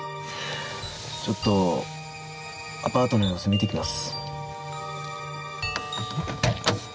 ちょっとアパートの様子見て来ます。